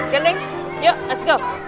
gini dong yuk let's go